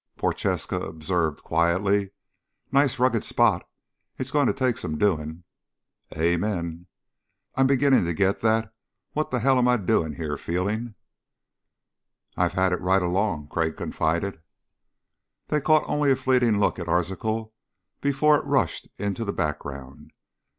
Prochaska observed quietly: "Nice rugged spot. It's going to take some doing." "Amen." "I'm beginning to get that what the hell am I doing here feeling." "I've had it right along," Crag confided. They caught only a fleeting look at Arzachel before it rushed into the background.